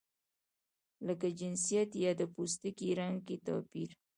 لکه جنسیت یا د پوستکي رنګ کې توپیر.